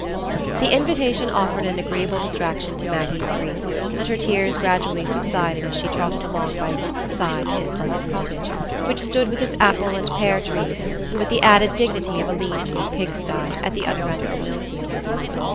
The invitation offered an agreeable distraction to Maggie's grief, and her tears gradually subsided as she trotted along by Luke's side to his pleasant cottage, which stood with its apple and pear trees, and with the added dignity of a lean to pigsty, at the other end of the Mill fields.